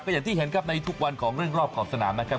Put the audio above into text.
อย่างที่เห็นครับในทุกวันของเรื่องรอบขอบสนามนะครับ